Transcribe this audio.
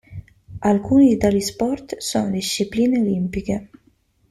Alcuni di tali sport sono discipline Olimpiche.